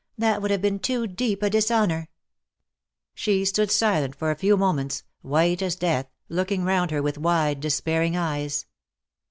That would have been too deep a dishonour '/' She stood silent for a few moments, white as death, looking round her with wide, despairing eyes.